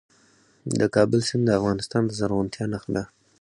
د کابل سیند د افغانستان د زرغونتیا نښه ده.